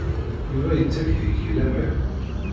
Yuba yettak deg-k laman.